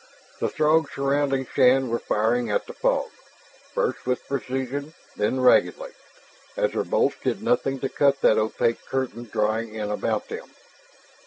The Throgs surrounding Shann were firing at the fog, first with precision, then raggedly, as their bolts did nothing to cut that opaque curtain drawing in about them.